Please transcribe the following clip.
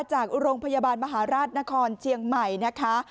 จากโรงพยาบาลมหาราชนครเชียงใหม่นะคะ